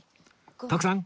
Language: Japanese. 徳さん